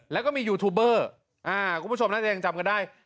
แล้วก็มียูทูบเบอร์คุณผู้ชมน่าจะยังจำกันได้